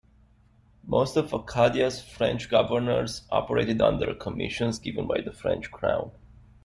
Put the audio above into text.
Most of Acadia's French governors operated under commissions given by the French crown.